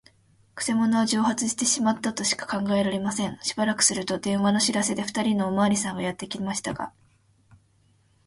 くせ者は蒸発してしまったとしか考えられません。しばらくすると、電話の知らせで、ふたりのおまわりさんがやってきましたが、